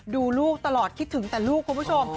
ดูลูกตลอดคิดถึงแต่ลูกคุณผู้ชม